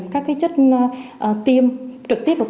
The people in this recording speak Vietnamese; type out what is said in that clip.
các chất tiêm trực tiếp vào cơ sở